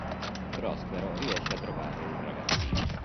Prospero riesce a trovare il ragazzino.